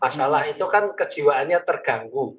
masalah itu kan kejiwaannya terganggu